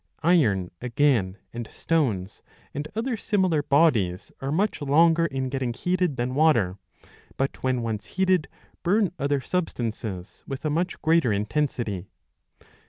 Iron again and stones and other similar bodies are much longer in getting heated than water, but when once heated burn other substances with 648 b. 26 ii. 2. a much greater intensity.